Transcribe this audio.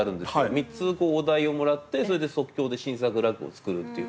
３つお題をもらってそれで即興で新作落語作るっていう。